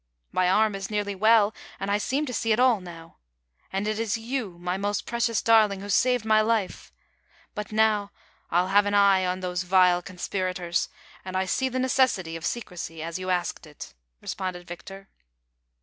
My arm is nearly well, and I seem to see it all now ; and it is you, my most precious darling, who saved my life ; but, now I'll have an eye on these vile conspira tors, and I see the necessity of secrecy, as you asked it," responded Victor.